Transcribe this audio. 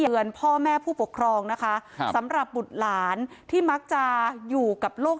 เพื่อนพ่อแม่ผู้ปกครองนะคะสำหรับบุตรหลานที่มักจะอยู่กับโลก